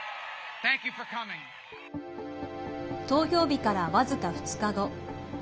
投票日から、わずか２日後。